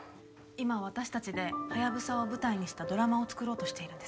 今私たちでハヤブサを舞台にしたドラマを作ろうとしているんです。